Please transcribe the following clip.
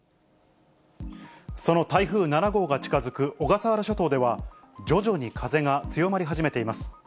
その台風７号が近づく小笠原諸島では、徐々に風が強まり始めています。